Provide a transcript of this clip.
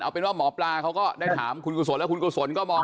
เอาเป็นว่าหมอปลาเขาก็ได้ถามคุณกุศลแล้วคุณกุศลก็มอง